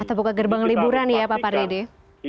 atau buka gerbang liburan ya pak pak redy